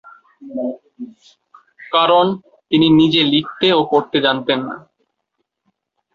কারণ, তিনি নিজে লিখতে ও পড়তে জানতেন না।